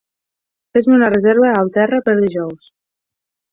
Fes-me una reserva al Terra per dijous.